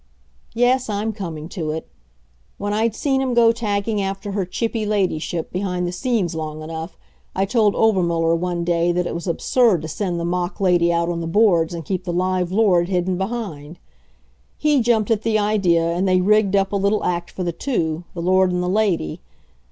Yes, I'm coming to it. When I'd seen him go tagging after her chippy Ladyship behind the scenes long enough, I told Obermuller one day that it was absurd to send the mock Lady out on the boards and keep the live Lord hidden behind. He jumped at the idea, and they rigged up a little act for the two the Lord and the Lady.